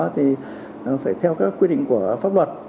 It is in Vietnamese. thì phải theo các quy định của pháp luật